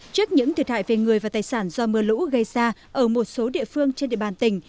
trước những thiệt hại về người và tài sản do mưa lũ gây ra ở một số địa phương trên địa bàn tỉnh